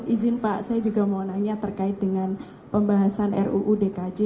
izin pak saya juga mau nanya terkait dengan pembahasan ruu dkj